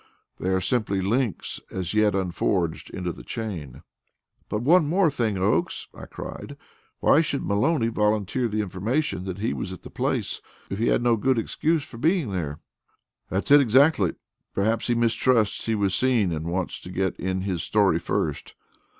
They are simply links, as yet unforged into the chain." "But one thing more, Oakes," I cried, "why should Maloney volunteer the information that he was at the place if he had no good excuse for being there?" "That's it exactly. Perhaps he mistrusts he was seen and wants to get in his story first.